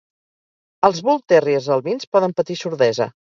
Els Bull Terriers albins poden patir sordesa.